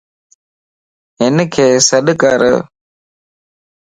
ھنک سڏڪر